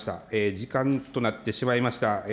時間となってしまいました。